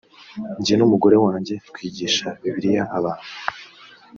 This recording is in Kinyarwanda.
jye n umugore wanjye twigisha bibiliya abantu